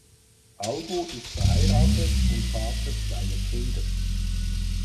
Albu ist verheiratet und Vater zweier Kinder.